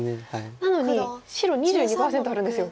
なのに白２２％あるんですよ。